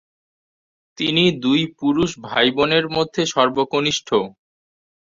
তিনি দুই পুরুষ ভাইবোনের মধ্যে সর্বকনিষ্ঠ।